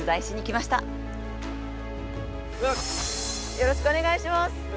よろしくお願いします